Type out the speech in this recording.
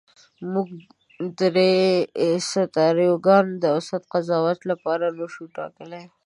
موږ درې سناریوګانې د اوسط قضاوت لپاره نشو ټاکلی.